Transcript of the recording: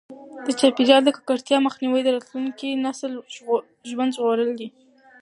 د چاپیریال د ککړتیا مخنیوی د راتلونکي نسل ژوند ژغورل دي.